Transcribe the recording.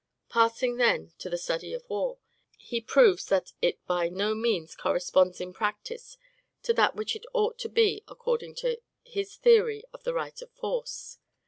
Passing then to the study of war, he proves that it by no means corresponds in practice to that which it ought to be according to his theory of the right of force.